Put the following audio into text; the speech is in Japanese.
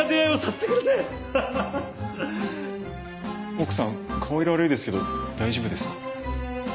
奥さん顔色悪いですけど大丈夫ですか？